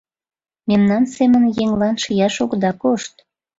Мемнан семын еҥлан шияш огыда кошт.